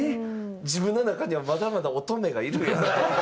自分の中にはまだまだ乙女がいるんやなと。